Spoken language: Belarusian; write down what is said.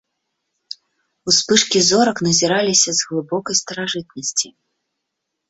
Успышкі зорак назіраліся з глыбокай старажытнасці.